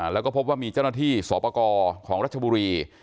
แล้วก็พบว่ามีเจ้าหน้าที่สอปกรของรัชบุรี